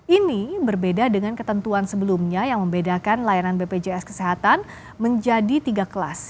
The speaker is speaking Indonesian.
ini berbeda dengan ketentuan sebelumnya yang membedakan layanan bpjs kesehatan menjadi tiga kelas